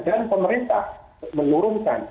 dan pemerintah menurunkan